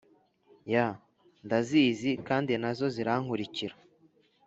Yh ndazizi kandi na zo zirankurikira